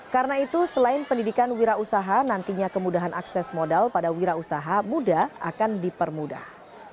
karena itu selain pendidikan wirausaha nantinya kemudahan akses modal pada wirausaha muda akan dipermudah